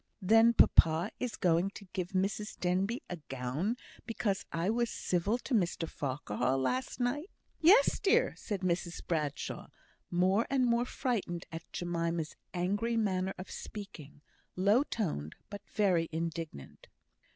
"Then papa is going to give Mrs Denbigh a gown because I was civil to Mr Farquhar last night?" "Yes, dear!" said Mrs Bradshaw, more and more frightened at Jemima's angry manner of speaking low toned, but very indignant.